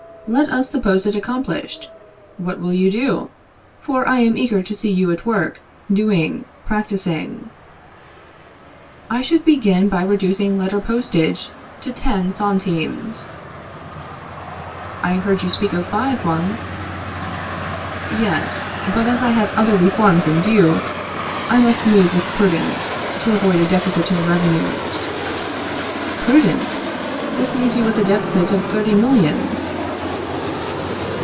Let us suppose it accomplished. What will you do? for I am eager to see you at work, doing, practicing. I should begin by reducing letter postage to ten centimes. I heard you speak of five, once. Yes; but as I have other reforms in view, I must move with prudence, to avoid a deficit in the revenues. Prudence? This leaves you with a deficit of thirty millions.